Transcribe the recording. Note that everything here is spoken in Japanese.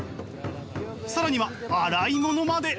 更には洗い物まで！